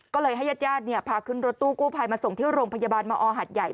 ก็เลยให้ญาติญาติพาขึ้นรถตู้กู้ภัยมาส่งที่โรงพยาบาลมอหัดใหญ่